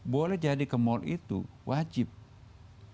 boleh jadi ke mal itu wajib kenapa